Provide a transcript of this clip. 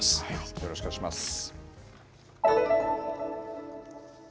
よろしくお願いします。